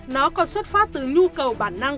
nó còn xuất phát từ nhu cầu bản năng